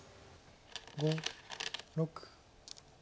５６。